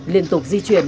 liên tục di chuyển